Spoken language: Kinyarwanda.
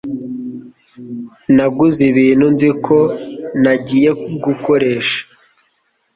Naguze ibintu nzi ko ntagiye gukoresha